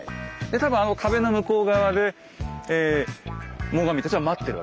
多分あの壁の向こう側で最上たちは待ってるわけですよね。